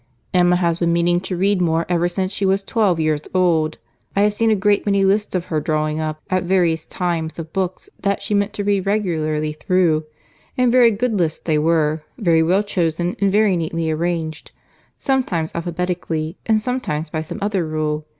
"Emma has been meaning to read more ever since she was twelve years old. I have seen a great many lists of her drawing up at various times of books that she meant to read regularly through—and very good lists they were—very well chosen, and very neatly arranged—sometimes alphabetically, and sometimes by some other rule.